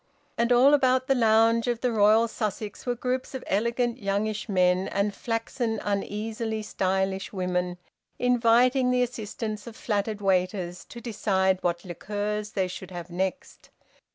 And all about the lounge of the Royal Sussex were groups of elegant youngish men and flaxen, uneasily stylish women, inviting the assistance of flattered waiters to decide what liqueurs they should have next.